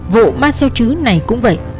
vụ ma xeo chứ này cũng vậy